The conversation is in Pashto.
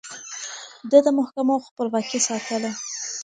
ده د محکمو خپلواکي ساتله.